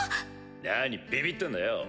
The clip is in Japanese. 何ビビってんだよ。